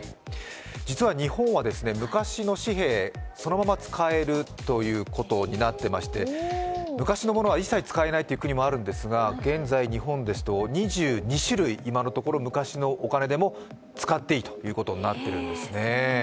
実は日本は昔の紙幣、そのまま使えるということになってまして昔のものは一切使えないという国もあるんですが、現在、日本ですと２種類今のところ昔のお金でも使っていいということになってるんですね。